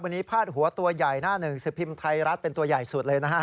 วันนี้พาดหัวตัวใหญ่หน้าหนึ่งสิบพิมพ์ไทยรัฐเป็นตัวใหญ่สุดเลยนะฮะ